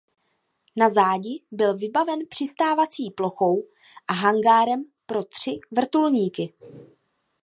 Na zádi byl vybaven přistávací plochou a hangárem pro tři vrtulníky.